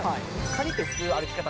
カニって普通歩き方。